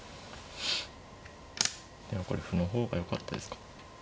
でもこれ歩の方がよかったですか。